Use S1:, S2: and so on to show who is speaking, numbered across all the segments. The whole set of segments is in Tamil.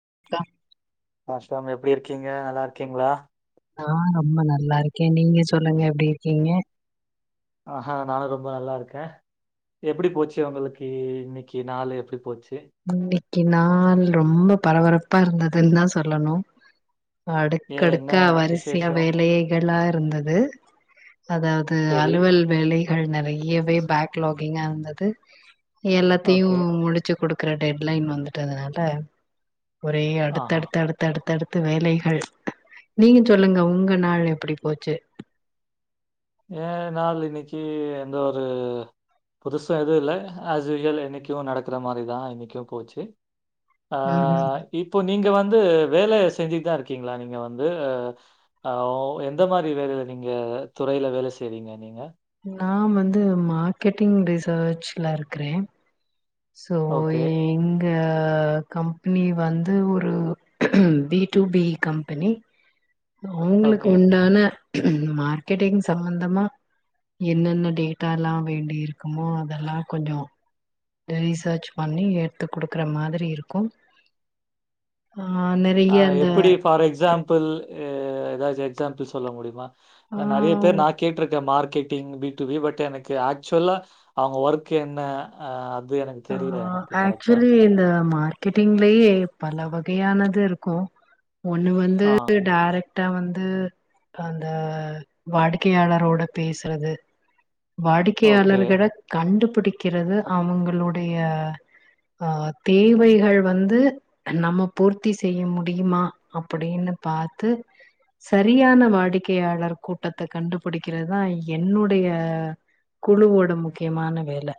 S1: [unintelligible]
S2: ஆஷா மேம் எப்படி இருக்கீங்க நல்லா இருக்கீங்களா
S1: ஆஹ் ரொம்ப நல்லா இருக்கேன் நீங்க சொல்லுங்க எப்படி இருக்கீங்க
S2: ஆஹ்ஹா நானும் ரொம்ப நல்லா இருக்கேன் எப்படி போச்சு உங்களுக்கு இன்னைக்கு நாலு எப்படி போச்சு
S1: உம் [unintelligible] இன்னைக்கி நாள் ரொம்ப பரபரப்பா இருந்ததுன்னு தான் சொல்லணும்
S2: ஏ என்ன
S1: அடுக்கடுக்கா வரிசையா
S2: விசேஷோ
S1: வேலைகளா இருந்தது அதாவது
S2: சரி
S1: அலுவல் வேலை அது நிறைய வே பேக்லாக் [unintelligible] கீங்கா இருந்தது எல்லாத்தையும்
S2: ஓகே
S1: முடிச்சு கொடுக்கும் இருக்கற டெட்லைன் வந்துட்டதுனாலே ஒரே அடுத்த
S2: ஆஹா
S1: அடுத்த அடுத்த அடுத்து அடுத்து பத்து வேலைகள் நீங்க சொல்லுங்க உங்க நாள் எப்படி போச்சு
S2: ஏன் நாள் இன்னைக்கு எந்த ஒரு புதுசும் எதுவும் இல்லை ஏஸ் யூஸுவல் என்னைக்கும் நடக்கிற மாதிரிதான் இன்னைக்கும் போச்சு
S1: ம்ஹ்ம்.
S2: ஆஹ் இப்போ நீங்க வந்து வந்து வேலை செஞ்சுட்டு தான் இருக்கீங்களா நீங்க வந்து அஹ் எந்த மாதிரி வேலைல நீங்க துறையில வேலை செய்யறீங்க நீங்க
S1: நான் வந்து மார்க்கெட்டிங் ரிசர்ச்ல இருக்கிறேன் சோ
S2: ஓகே
S1: எங்க கம்பெனி வந்து ஒரு பி டூ பி கம்பெனி அவங்களுக்கு
S2: ஓகே
S1: உண்டான மார்க்கெட்டிங் சம்பந்தமா என்னென்ன டேட்டாலாம் வேண்டி இருக்குமோ அதெல்லாம் கொஞ்சம் ரீசர்ச் பண்ணி எடுத்துக் குடுக்குற மாதிரி இருக்கும்
S2: அஹ எப்படி ஃபார் எக்ஸாம்பிள் அஹ் ஏதாச்சும் எக்ஸாம்பிள் சொல்ல முடியுமா
S1: ஆ
S2: நான் நிறைய பேர் நான் கேட்டிருக்கேன் மார்கெட்டிங் பிடூபி பட் எனக்கு ஆக்சுவலா அவங்க ஒர்க் என்ன அ அத் இது எனக்கு
S1: ஆ
S2: தெரியல எனக்கு கரெக்டா
S1: கெட்டீங்களேயே பல வகையானது இருக்கும் ஒண்ணு வந்து
S2: ஆ
S1: டைரக்ட் ட வந்து அந்த வாடிக்கையாளரோட பேசுறது
S2: ஓகே.
S1: வாடிக்கையாளர்கள கண்டுப் புடிக்கிறது அவங்களோ டைய ஆ தேவைகள் வந்து நம்ம பூர்த்தி செய்ய முடியுமா அப்டின்னு பாத்து சரியான வாடிக்கையாளர் கூட்டத்த கண்டுப்புடிக்கிறதா என்னோடைய குழுவோட முக்கியமான வேல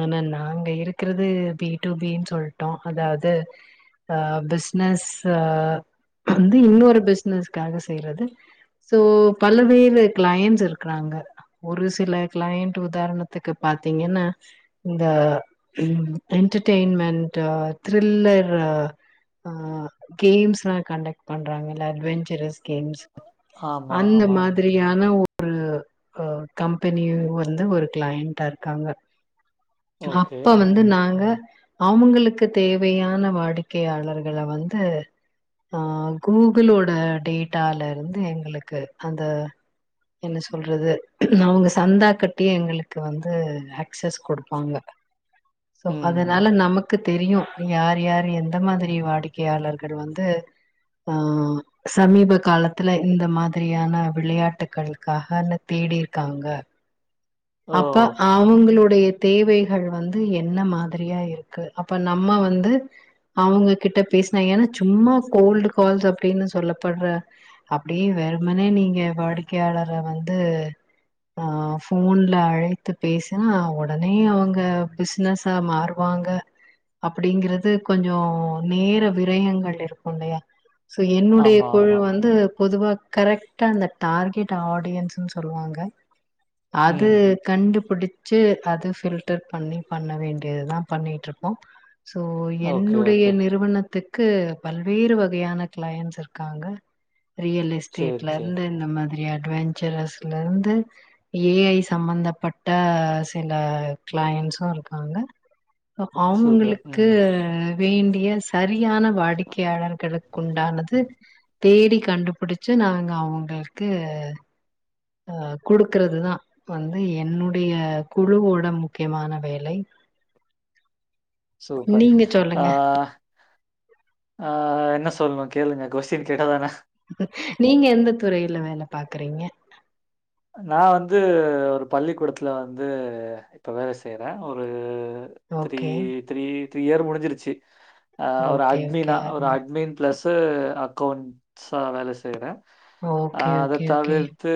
S1: ஆனா நாங் க இருக்குறது பி டு பீன் சொல்ட்டோ அதாவ்து அ பிசினஸ் அ வந்து இன்னொரு பிசினஸ்காக செய்றது சோ பலவேறு க்ளையண்ட்ஸ் இருக்குறாங்க ஒரு சில க்ளையண்ட் உதாரணத்துக்கு பாத்தீங்கன்னா இந்த ம் என்டர்டயின்மெண்ட் த்ரில்லர் ஆ ஆ கேம்ஸ்ல்லா கண்டக்ட் பண்றாங்கல்ல ட்வெஞ்சரஸ் கேம்ஸ்
S2: ஆமா,
S1: அந்த
S2: ஆமா.
S1: மாதிரியான ஒ ரு ஆ கம்பெனி வந்து ஒரு க்ளையண்ட்டா இருக்காங்க
S2: ஓகே
S1: வந்து
S2: ம்.
S1: நாங்க அவுங்களுக்கு தேவையான வாடிக்கையாளர்கள வந்து ஆ கூகுளோட டேட்டாலர்ந்து எங்களுக்கு அந்த என்ன சொல்றது அவுங்க சந்தா கட்டியே எங்களுக்கு வந்து ஆக்சஸ் குடுப்பாங்க சோ அதுனால
S2: ம்.
S1: நமக்கு தெரியு யாரு யாரு எந்த மாதிரி வாடிக்கையாளர்கள் வந்து ஆ சமீப காலத்துல இந்த மாதிரியான விளையாட்டுக்களுக்காகனு தேடிருக்காங்க
S2: ஓ!
S1: அப்ப அவுங்களோ டைய தேவைகள் வந்து என்ன மாதிரியா இருக்கு அப்ப நம்ம வந்து அவங்க கிட்ட பேசுனா ஏனா சும்மா கோல்டு கால்ஸ் அப்டின்னு சொல்லப்பட்ற அப்டியே வெறுமனே நீங்க வாடிக்கையாளர வந்து ஆ ஃபோன் ல அழைத்து பேசினா ஒடனே அவங்க பிஸ்னஸா மாறுவாங்க அப்டிங்கிறது கொஞ்சொ நேர விரயங்கள் இருக்குல்லையா சோ என்னுடைய
S2: ஆமா,
S1: கொள்
S2: ஆமா.
S1: வந்து பொதுவா கரெக்ட்டா அந்த டார்கெட் ஆடியன்ஸுன் சொல்வாங்க து
S2: ம்.
S1: கண்டுப் புடிச்சு அது ஃபில்டர் பண்ணி பண்ண வேண்டியது தா பண்ணிட்ருப்போ சோ
S2: ஓகே,
S1: என்னுடைய
S2: ஓகே.
S1: நிறுவனத்துக் கு பல்வேறு வகையான க்ளயன்ஸ் இருக்காங்க ரியல்
S2: சரி, சரி.
S1: எஸ்டேட்லேர்ந்து இந்த மா ரி அட்வெஞ்சரஸ்லேருந்து ஏ ஐ சம்பந்தப்பட்ட சில க்ளயண்ட்ஸு இருக்காங்க
S2: சூப்பர்.
S1: அவுங்களுக்கு
S2: ம்.
S1: வேண்டிய சரி யான வாடிக்கையாளர்களுக்குண்டானது தேடிக் கண்டுபிடிச்சு நாங்க அவுங்களுக்கு அ குடுக்குறதுதா வந்து என்னுடைய குழுவோட முக்கியமான வேலை
S2: சூப்பர்
S1: நீங்க
S2: ஆ
S1: சொல்லுங்க
S2: ஆ என்ன சொல்ணு கேளுங்க கொஷ்ஷின் கேட்டாதான
S1: நீங்க எந்த துறையில வேல பாக்குறீங்க
S2: அ நான் வந்து ஒரு பள்ளிக்கூடத்துல வந்து இப்ப வேலை செய்யிறே ஒரு three
S1: okay
S2: three three year முடிஞ்சிருச்சு அஹ் ஒரு
S1: ஓகே ஓகே
S2: அட்மீனா ஒரு
S1: அருமை
S2: அட்மீன் பிளஸ் து அக்கௌண்ட்ஸா வேல செய்யறே
S1: ஓகே
S2: ஆஹ் அத
S1: ஓகே ஓகே
S2: தவிர்த்து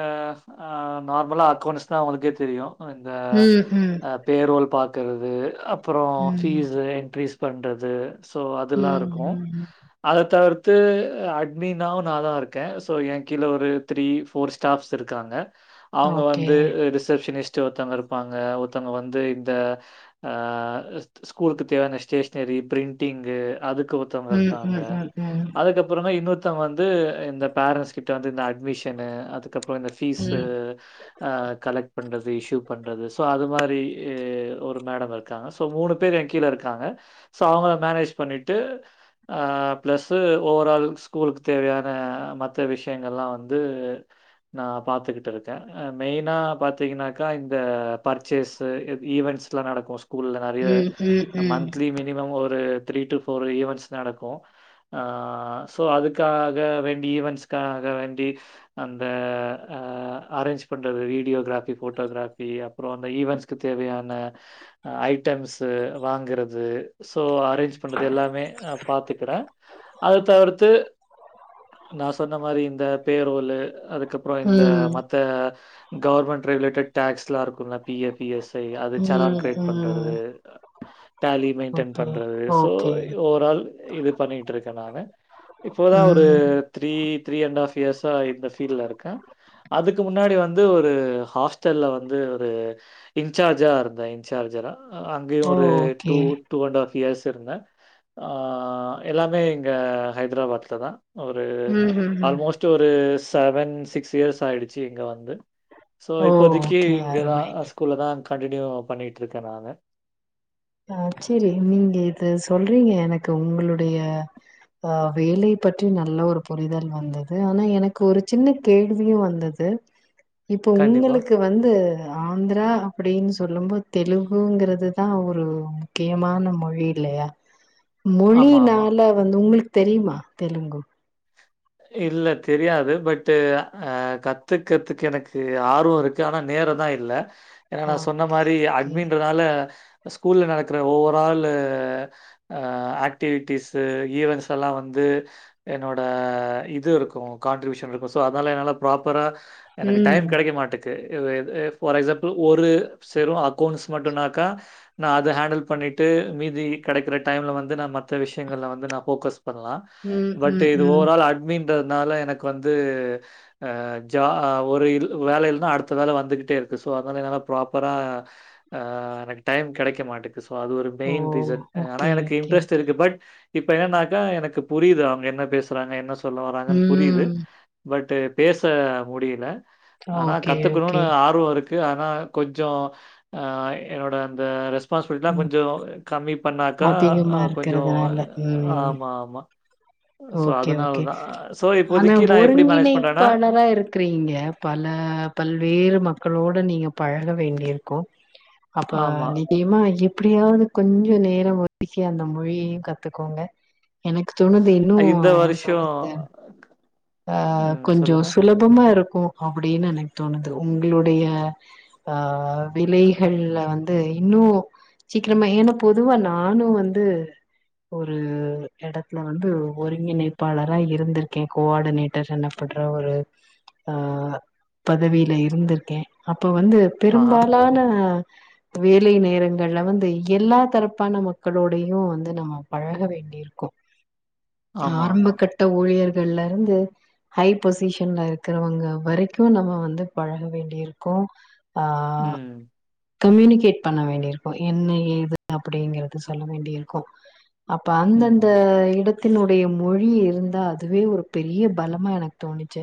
S2: ஆஹ் அ நார்மலா அக்கௌண்ட்ஸ்னா உங்களுக்கே தெரியு இந்த
S1: ம் ம்
S2: அ பேரோல் பாக்கறது அப் பறோ
S1: ம்
S2: ஃபீஸு எண்ட்ரீஸ் பண்றது சோ அதுல்லா
S1: ம்
S2: இருக்கு
S1: ம்
S2: அத தவிர் து அட்மினாவு நா தா இருக்கே சோ எ கீழ ஒரு த்ரீ ஃபோர் ஸ்டாஃப்ஸ் இருக்காங்க அவங்க
S1: ஓகே
S2: வந்து ரிசபஷனிஸ்ட் டு ஒருத்தவங்க இருப்பாங்க ஒருத்தவங்க வந்து இந்த அ ஸ்ட் ஸ்கூலுக்கு தேவையான ஸ்டேஷனரி பிரிண்டிங்கு அதுக் கு ஒருத்தவங்க
S1: ம்
S2: இருக்காங்க
S1: ம் ம் ம் ம்
S2: அதுக்கப்புறமா இன்னோர் தவங்க வந்து இந்த பேரண்ஸ் கிட்ட வந் து இந்த அட்மிஷனு அதுக் அப்றோ இந்த ஃபீஸு
S1: ம்
S2: அ க லெக்ட் பண்றது இஷூ பண்றது சோ அது மாரி இ ஒரு மேடம் இருக்காங்க சோ மூணு பேர் எ கீழ இருக்காங்க சோ அவங்கள மேனேஜ் பண்ணிட்டு அஹ் பிளஸ் ஓவரால் ஸ்கூலுக்கு தேவையான மத்த விஷயங்கள்ல்லா வந்து நா பாத்துக்கிட்டுருக்கே அ மெயினா பாத்தீங்கனாக்கா இந்த பர்ச்சேஸூ இத் ஈவெண்ட்ஸ்லா நடக்கு ஸ்கூல்ல நெறைய
S1: ம் ம் ம் ம் ம்
S2: மந்த்திலி மினிமம் ஒரு த்ரீ டு ஃபோர் ஈவென்ட்ஸ் நடக்கு அ சோ அதுக்காக வேண்டி ஈவென்ட்ஸ்காக வேண்டி அந்த அ அரேஞ்ச் பண்றது வீடியோகிராபி ஃபோட்டோகிராபி அப்றோ அந்த ஈவென்ட்ஸ்க்கு தேவையான ஐட்டம்ஸ்ஸு வாங்கறது சோ அரேஞ்ச் பண்றது எல்லாமே அ பாத்துக்கறே அத தவிர்த்து நா சொன்ன மாரி இந்த பேரோல் அதுக்க ப்றோ இந்த மத்த கவர்மெண்ட் ரிலேட்டட் டேக்ஸ்லா இருக்குல்ல P F, E S I அது செலான் கிரியேட் பண்றது டேலி மெய்ன்டன்
S1: ஓகே
S2: பண்றது சோ
S1: ஓகே
S2: ஓவரால் இது பண்ணிட்ருக் கே நானு இப்ப தா ஒரு
S1: ம்
S2: த்ரீ, த்ரீ அண்ட் ஆஃப் இயர்சா இந்த ஃபீல்ல இருக்க அதுக்கு முன்னாடி வந்து ஒரு ஹாஸ்டல்ல வந்து ஒரு இன்சார்ஜா இருந்தே இன்சார்ஜரா அங்கயு
S1: ஓ!
S2: ஒரு two
S1: okay
S2: two and half years இருந்தே ஆஹ் எல்லாமே இங்க ஹைதராபாத்ல தா ஒரு
S1: ம் ம் ம்
S2: ஆல்மோஸ்ட் ஒரு செவன் சிக்ஸ் சியர்ஸ் ஆயிடுச்சு இங்க வந்து சோ இப்போதைக்கு
S1: ஓகே
S2: இங்கதா
S1: அருமை
S2: ஸ்கூல்ல தா கண்டினியூ பண்ணிட்டுருக்க நானு
S1: அஹ் சேரி நீங்க இது சொல்றீங்க எனக்கு உங்களுடைய அஹ் வேலை பற்றி நல்ல ஒரு புரிதல் வந்தது ஆனா எனக்கு ஒரு சின்ன கேள்வியு வந்தது இப்போ
S2: கண்டிப்பா.
S1: உங்களுக்கு வந்து ஆந்ரா அப்டின்னு சொல்லும்போ தெலுங்குங்கறது தா ஒரு ஒரு முக்கியமான மொழி இல்லையா
S2: ஆமா, ஆமா.
S1: மொழினால வந்து உங்களுக் தெரியுமா தெலுங்கு
S2: இல்ல தெரியாது பட்டு் அஹ் கத்துக்கத்துக்க எனக்கு ஆர்வோ இருக்கு ஆனா நேரோ தா இல்ல ஏன்னா
S1: ஆ
S2: நா சொன்ன
S1: ஓகே,
S2: மாரி
S1: ஓகே.
S2: அட்மின்றதுனால ஸ்கூல்ல நடக்கற ஓவராலு ஆக்டிவிட்டிஸு ஈவென்ட்ஸ் எல்லா வந்து என்னோட இது இருக்கோ கான்ட்ரிபியூஷன் இருக்கோ ஸோ அத்னால என்னால ப்ராப்பரா எனக்கு
S1: ம்.
S2: டைம் கெடைக்க மாட்டிக் இது எது ஃபார் எக்சாம்புள் ஒரு செறும் அக்கோன்ஸ் மட்டுனாக்கா நா அத ஹாண்டல் பண்ணிட்டு மீதி கெடைக்கிற டைம்ல வந்து நா மத்த விஷயங்கல்ல வந்து நா ஃபோக்கஸ் பண்ணலா
S1: ம்,
S2: பட்
S1: ம்,
S2: இது
S1: ம்.
S2: ஓவரால் அட் ன்றதுனால எனக்கு வந்து அஹ் ஜா ஒரு இல் வேலயில்லனா அடுத்த வேல வந்துகிட்டே இருக்கு சோ அதனால என்ன ப்ராப்பரா அஹ் எனக்கு டைம் கெடைக்க மாட்டுக் சோ அது ஒரு
S1: ஓ!
S2: மெயின் ரீசன் ஆனா
S1: ஓகே,
S2: எனக்கு
S1: ஓகே,
S2: இன்ட்ரெஸ்ட்
S1: ஓகே.
S2: இருக்கு பட் இப்ப என்னன்னாக்கா எனக்கு புரிது அவுங்க என்ன பேசறாங்க என்ன சொல்ல வராங்கன்னு புரிது
S1: ம்.
S2: பட் பேச முடில ஆனா
S1: ஓகே, ஓகே.
S2: கத்துக்கணும்னு ஆர்வோ இருக்கு க்கு ஆனா கொஞ்சோ அஹ் என்னோட அந்த ரெஸ் ஸ்பான்ஸ்பிட்லா
S1: ம்.
S2: கொஞ்சோ கம்மி பண்ணாக்கா
S1: அதிகமா
S2: கொஞ்சோ
S1: இருக்கிறதுனால. ம்.
S2: ஆமா ஆமா சோ
S1: ஓகே,
S2: அதுனால்
S1: ஓகே. ஆனா
S2: பண்றேன்னா
S1: ஒருங்கிணைப்பாளரா இருக்கிறீங்க பல பல்வேறு மக்களோட நீங்க பழக வேண்டியிருக்கோ அப்ப
S2: ஆமா.
S1: நிட்டேமா இப் எப்டியாவது கொஞ்சோ நேரோ ஒதுக்கி அந்த மொழியையு கத்துக்கோங்க எனக்கு னு
S2: இந்த
S1: என்ன
S2: வருஷம்
S1: சொல்றது ஆஹ்
S2: ம்.
S1: கொஞ்சௌ
S2: சொல்லுங்க.
S1: சுலபமா இருக்கோ அப்டின்னு எனக்கு தோணுது உங்களுடைய ஆஹ் வேலைகள்ல வந்து இன்னு சீக்கிரமா ஏன்னா பொதுவா நானு வந்து ஒரு எடத்துல வந்து ஒருங்கிணைப்பாளரா இருந்திருக்கே கோஆடினேட்டர் என்ன பட்ற ஒரு ஆஹ பதவியில இருந்திருக்கே அப்போ வந்து
S2: ஆஹா.
S1: பெரும்பாலான வேலை நேரங்கள்ல வந்து எல்லா தரப்பான மக்களோடையு வந்து நம்ம பழக வேண்டியிருக்கோ
S2: ஆமா,
S1: ஆரம்ப
S2: ஆமா.
S1: கட்ட ஊழியர் கள்ல இருந்து ஹை பொசிஷன்ல இருக்கிறவங்க வரைக்கு நம்ம வந்து பழக வேண்டி இருக்கு ஆ
S2: உம்
S1: கம்யூனிகேட் பண்ண வேண்டிய இருக்கு என்ன ஏது அப்டிங்கறது சொல்ல வேண்டியிருக்கு அப்ப
S2: ம்.
S1: அந்தந்த இட த்தினுடைய மொழி இருந்தா அது வே ஒரு பெரிய பலமா எனக்கு தோணிச்சு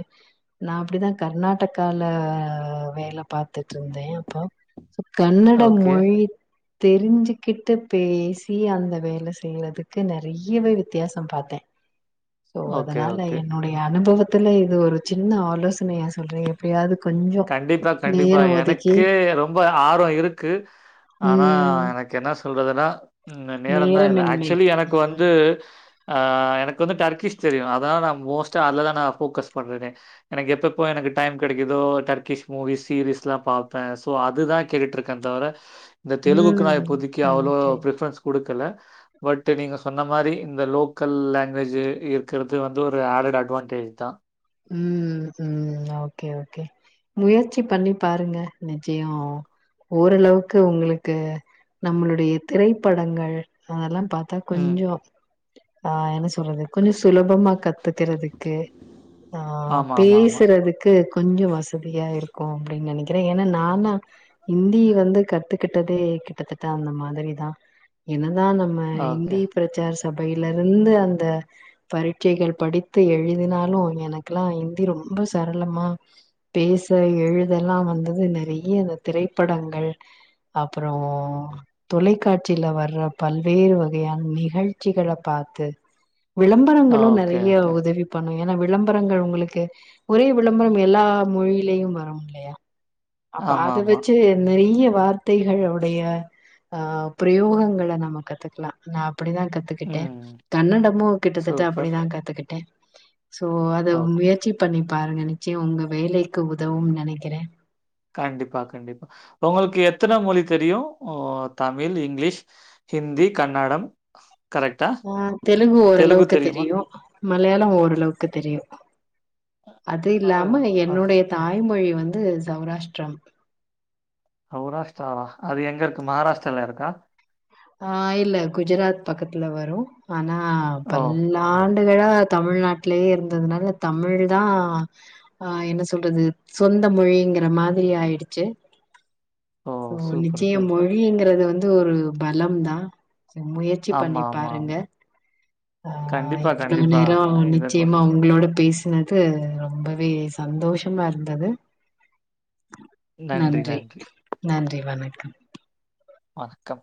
S1: நா அப்டிதா கர்நாடகால வேல பாரத்துட்டு இருந்தே அப்போ சொ கன்னட
S2: ஓகே.
S1: மொழி தெரிஞ்சுக்குட்டு பேசி அந்த வேல செய்யறதுக்கு நெறையவே வித்தியாசொ பாத்தே சோ
S2: ஓகே,
S1: அதனால
S2: ஓகே.
S1: என்னுடைய அனுபவத் த்துல இது ஒரு சின்ன ஆலோசனையா சொல்றே எப்டியாது
S2: கண்டிப்பா கண்டிப்பா எனக்கே ரொம்ப ஆர்வொ இருக்கு ஆனா
S1: ம்
S2: எனக்கு என்ன சொல்றதுன்னா உம் நேரொதா இல்ல
S1: நேரமின்மை
S2: ஆக்சுவலி எனக்கு
S1: ம்
S2: வந்து ஆஹ் எனக்கு வந்து டர்க்கிஷ் தெரியு அதா நா மோஸ்ட்டா அதுலதா நா ஃபோக்கஸ் பண்றே எனக்கு எப்பப்ப எனக்கு டைம் கெடைக்குதோ டர்க்கிஷ் மூவி சீரீஸ்லா பாப்பே சோ அதுதா கேட்டுட்ருக்கே தவிர இந்த தெலுக்குக்கு நா
S1: ம்
S2: இப்பதிக்கு
S1: ம்
S2: அவ்வளோ
S1: சரி
S2: பிரிஃபரன்ஸ் குடுக் குல பட் நீங்க சொன்ன மாரி இந்த லோக்கல் லாங்குவேஜ் இருக்குறது வந்து ஒரு அட்டட் அட்வான்டேஜ் தா
S1: உம் உம் ஓகே ஓகே முயற்சி பண்ணி பாருங்க நிச்சயொ ஓரளவுக்கு உங்களுக்கு நம்மளுடைய திரைப்படங்கள் அதெல்லா பாத்தா
S2: ம்.
S1: கொஞ்சொ அ ஆஹ் என்ன சொல்றது கொஞ்சொ சுலப் பமா கத்துக்குறதுக்கு ஆஹ்
S2: ஆமா, ஆமா, ஆமா.
S1: பேசுறதுக்கு கொஞ்சொ வசதியா இருக்கு அப்டின் நெனைக்கிறே ஏனா நானா ஹிந்தி வந்து கத்துக்கிட்டதே கிட்டத்தட்ட அந்த மாதிரி தா ஏன தா நம்ம
S2: ஓகே.
S1: ஹிந்தி பிரிச்சர்ஸ் உடையில இருந்து அந்த பரிட்சைகள் படித்து எழுதினாலு எனக்கெல்லா ஹிந்தி ரொம்ப சரளமா பேச எழுத எல்லா வந்தது நெறைய இந்த திரைப்படங்கள் அப்புறோ தொலைக்காட்சியில வர்ற பல்வேறு வகையான நிகழ்ச்சிகள பாத்து விளம்பரங்களு
S2: ஓகே,
S1: நெறைய
S2: ஓகே.
S1: உதவி பண்ணு எனா விளம் பரங்கள் உங்களுக்கு ஒரே விளம்பரம் எல்லா மொழிலயு வரும் இல்லையா அப்ப
S2: ஆமா,
S1: அத
S2: ஆமா.
S1: வெச்சு நெறையவ் வார்த்தைகளுடைய ஆஹ் பிரயோகங்கள நம்ம கத்துக்கலா நா அப்டிதா கத்துக்கிட்டே
S2: ம்.
S1: கன்னடமு கிட்டத்தட்ட
S2: சூப்பர்.
S1: அப்டிதா கத்துக்கிட்டே சோ அத
S2: ஓகே.
S1: முயற்சி பண்ணி பாருங்க நிச்சயொ உங்க வேலைக்கு உதவும் நெனைக்குறே
S2: கண்டிப்பா கண்டிப்பா உங்களுக்கு எத்தன மொழி தெரியு உ தமிழ் இங்கிலீஷ் ஹிந்தி கன்னடம் கரெக்ட்டா?
S1: ஆஹ் தெலுங்கு ஓரளவுக்கு தெரியு மலையாளம் ஓரளவுக்கு தெரியு அது
S2: ஆ,
S1: இல்லாம
S2: ஆ
S1: என்னுடைய தாய்மொழி வந்து சௌராஷ்டிரம்
S2: சௌராஷ்ட்ராவா அது எங்க இருக்கு மஹாராஷ்ட்ரால இருக்கா
S1: ஆ இல்ல குஜராத் பக்கத்துல வரும் ஆனா
S2: ஓ!
S1: பல்லால் ஆண்டுகளா தமிழ்நாட்டுலேயே இருந்ததுனால தமிழ் தா ஆ என்ன சொல்றது சொந்த மொழிங்கிற மாதிரி ஆயிடுச்சு
S2: ஓ!
S1: சோ
S2: சூப்பர்,
S1: நிச்சயம்
S2: சூப்பர்.
S1: மொழிங்கறது வந்து இது ஒரு பலம் தா முயற்சி பண்ணி
S2: ஆமா, ஆமா,
S1: பாருங்க
S2: ஆமா.
S1: ஆ
S2: கண்டிப்பா,
S1: இவ்ளோ
S2: கண்டிப்பா.
S1: நேரம்
S2: இத கொ
S1: நிச்சயமா அவங்களோட பேசினது ரொம்பவே அப்டி சந்தோஷமா இருந்தது நன்றி நன்றி வணக்கம்
S2: வணக்கம்